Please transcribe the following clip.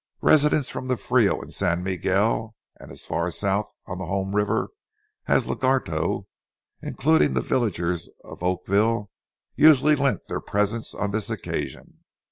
Residents from the Frio and San Miguel and as far south on the home river as Lagarto, including the villagers of Oakville, usually lent their presence on this occasion.